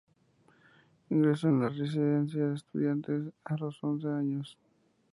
Ingresó en la Residencia de Estudiantes a los once años.